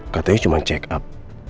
katanya cuma cekap